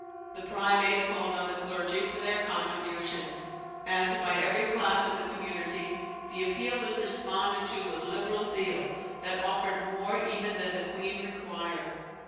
The primate called on the clergy for their contributions; and by every class of the community the appeal was responded to with liberal zeal, that offered more even than the queen required.